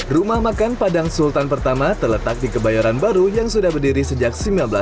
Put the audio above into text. rumah makan padang sultan pertama terletak di kebayoran baru yang sudah berdiri sejak seribu sembilan ratus delapan puluh